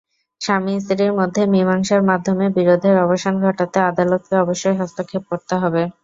স্বামী -স্ত্রীর মধ্যে মীমাংসার মাধ্যমে বিরোধের অবসান ঘটাতে আদালতকে অবশ্যই হস্তক্ষেপ করতে হবে।